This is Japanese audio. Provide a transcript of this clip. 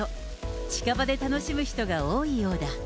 近場で楽しむ人が多いようだ。